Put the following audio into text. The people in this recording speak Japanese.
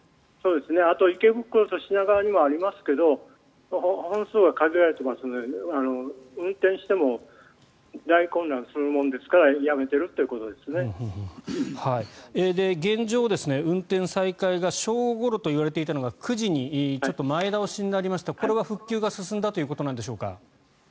あと池袋と品川にもありますが本数は限られていますので運転しても大混乱するものですから現状、運転再開が正午ごろといわれていたのが９時に前倒しになりましたがこれは復旧が進んだということなんでしょうか。